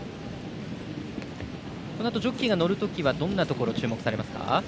このあとジョッキーが乗るときはどんなところ注目されますか？